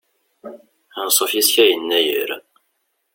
Ansuf yis-k a yennayer.